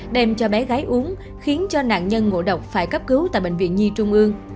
đem cho bé gái uống khiến cho nạn nhân ngộ độc phải cấp cứu tại bệnh viện nhi trung ương